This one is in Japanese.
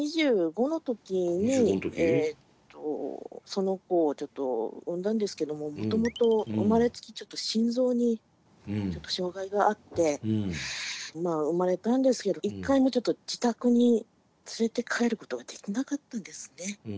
その子をちょっと産んだんですけどももともと生まれつきちょっと心臓にちょっと障害があってまあ生まれたんですけど一回もちょっと自宅に連れて帰ることができなかったんですね。